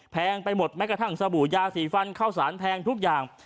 ไปหมดแม้กระทั่งสบู่ยาสีฟันเข้าสารแพงทุกอย่าง